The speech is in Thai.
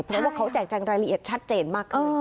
เพราะว่าเขาแจ่งรายละเอียดชัดเจนมาก